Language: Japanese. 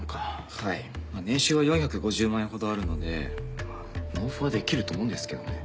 はい年収は４５０万円ほどあるのでまぁ納付はできると思うんですけどね。